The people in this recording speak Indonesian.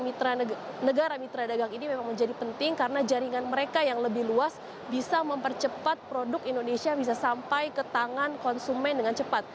mitra negara mitra dagang ini memang menjadi penting karena jaringan mereka yang lebih luas bisa mempercepat produk indonesia bisa sampai ke tangan konsumen dengan cepat